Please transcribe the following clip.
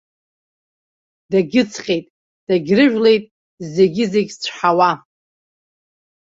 Дагьыҵҟьеит, дагьрыжәлеит зегьы-зегь цәҳауа.